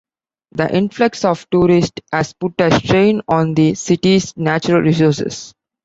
The influx of tourists has put a strain on the city's natural resources.